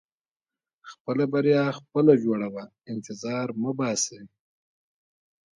• خپله بریا خپله جوړوه، انتظار مه باسې.